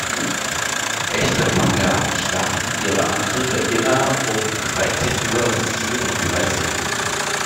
Echte Hacker starten ihre Angriffe immer um dreizehn Uhr siebenunddreißig.